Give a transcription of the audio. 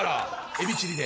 エビチリで。